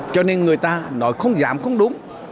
cho nên người ta nói không dám không đúng